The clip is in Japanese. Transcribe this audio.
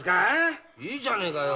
いいじゃねえかよ。